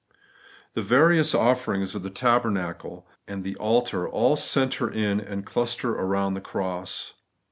The various offerings of the tabernacle and the altar all centre in and cluster round the cross.